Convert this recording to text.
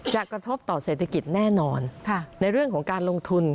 กระทบต่อเศรษฐกิจแน่นอนในเรื่องของการลงทุน